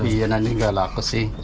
iya nanti gak laku sih